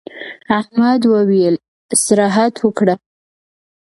احمد وويل: استراحت وکړه.